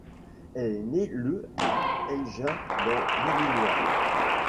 Il est né le à Elgin dans l’Illinois.